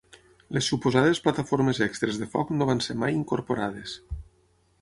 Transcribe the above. Les suposades plataformes extres de foc no van ser mai incorporades.